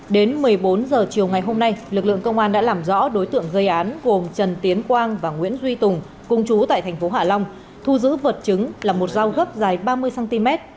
đến một mươi bốn h chiều ngày hôm nay lực lượng công an đã làm rõ đối tượng gây án gồm trần tiến quang và nguyễn duy tùng cùng chú tại thành phố hạ long thu giữ vật chứng là một dao gấp dài ba mươi cm